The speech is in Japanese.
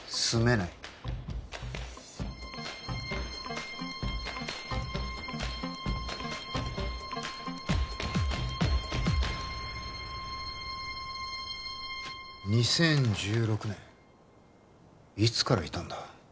住めない２０１６年いつからいたんだ？